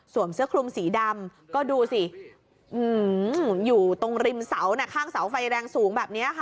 เสื้อคลุมสีดำก็ดูสิอยู่ตรงริมเสาน่ะข้างเสาไฟแรงสูงแบบนี้ค่ะ